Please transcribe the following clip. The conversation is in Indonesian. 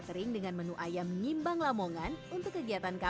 tinggal ngalikanlah saja lima belas x lima ratus